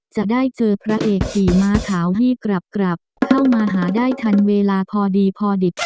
จะได้เจอพระเอกขี่ม้าขาวที่กลับกลับเข้ามาหาได้ทันเวลาพอดีพอดิบ